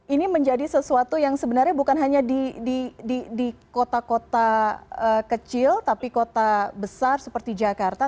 ini menjadi sesuatu yang sebenarnya bukan hanya di kota kota kecil tapi kota besar seperti jakarta